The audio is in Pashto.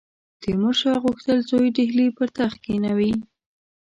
تیمورشاه غوښتل زوی ډهلي پر تخت کښېنوي.